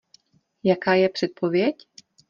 Jaká je předpověď?